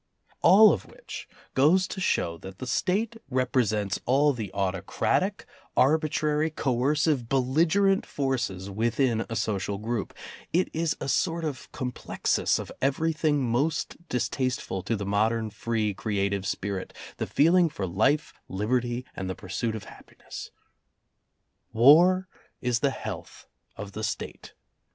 All of which goes to show that the State repre sents all the autocratic, arbitrary, coercive, belligerent forces within a social group, it is a sort of complexus of everything most distasteful to the modern free creative spirit, the feeling for life, liberty and the pursuit of happiness. War is the health of the State.